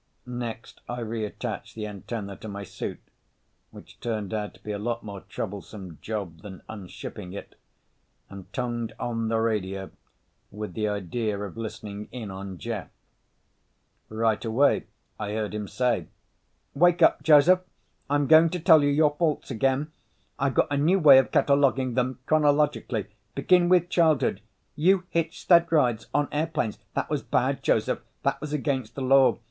Next I reattached the antenna to my suit—which turned out to be a lot more troublesome job than unshipping it—and tongued on the radio with the idea of listening in on Jeff. Right away I heard him say, "Wake up, Joseph! I'm going to tell you your faults again. I got a new way of cataloguing them—chronologically. Begin with childhood. You hitched sled rides on airplanes. That was bad, Joseph, that was against the law.